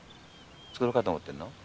作ろうかと思ってんの？